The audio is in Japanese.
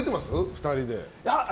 ２人で。